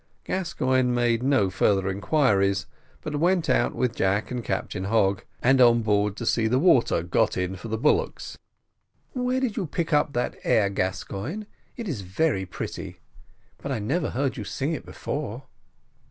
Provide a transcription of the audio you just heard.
Gascoigne made no further inquiries, but went out with Jack and Captain Hogg, and on board to see the water got in for the bullocks. "Where did you pick up that air, Gascoigne? it is very pretty, but I never heard you sing it before."